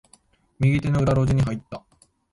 右手の裏路地に入った。